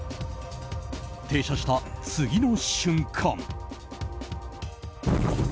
停車した次の瞬間。